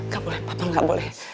gak boleh papa gak boleh